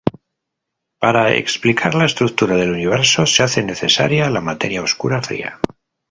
Para explicar la estructura del universo, se hace necesaria la materia oscura fría.